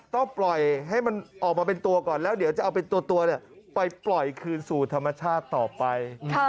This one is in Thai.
ต้องปล่อยให้มันออกมาเป็นตัวก่อนแล้วเดี๋ยวจะเอาเป็นตัวไปปล่อยคืนสู่ธรรมชาติต่อไป